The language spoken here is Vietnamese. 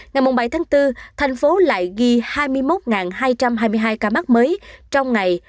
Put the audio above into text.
ngày bảy tháng bốn thành phố lại ghi hai mươi một hai trăm hai mươi hai ca mắc mới trong ngày